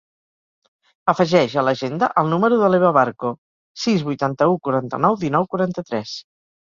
Afegeix a l'agenda el número de l'Eva Barco: sis, vuitanta-u, quaranta-nou, dinou, quaranta-tres.